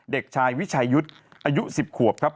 เด็กชายวิชายุทธ์อายุ๑๐ขวบครับ